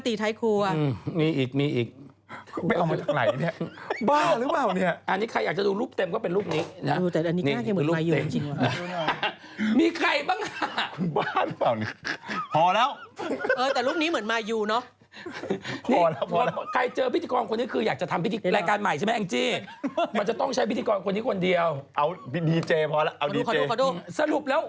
ที่มีการว่าจ้างให้ทำอะไรพี่รัง